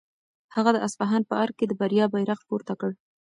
هغه د اصفهان په ارګ کې د بریا بیرغ پورته کړ.